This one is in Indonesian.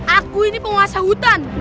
aku ini penguasa hutan